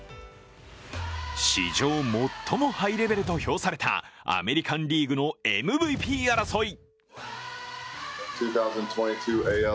史上最もハイレベルと評されたアメリカン・リーグのＭＶＰ争い。